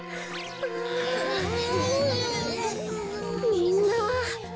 みんな。